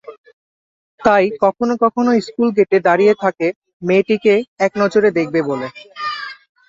তাই কখনো কখনো স্কুল গেটে দাঁড়িয়ে থাকে মেয়েটিকে একনজর দেখবে বলে।